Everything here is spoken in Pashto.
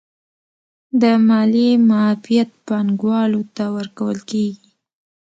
د مالیې معافیت پانګوالو ته ورکول کیږي